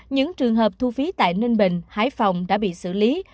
những trường hợp thu phí tại ninh bình hải phòng đã bị xử lý